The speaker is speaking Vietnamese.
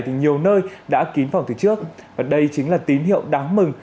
từ nhiều nơi đã kín phòng từ trước và đây chính là tín hiệu đáng mừng